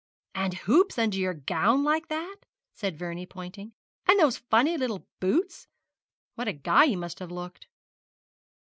'And hoops under your gown like that?' said Vernie, pointing; 'and those funny little boots? What a guy you must have looked!'